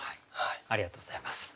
ありがとうございます。